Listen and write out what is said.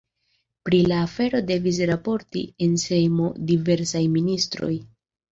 Pri la afero devis raporti en Sejmo diversaj ministroj.